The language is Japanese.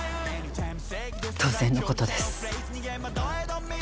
当然のことです。